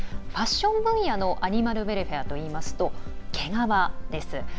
ファッション分野のアニマルウェルフェアといいますと毛皮です。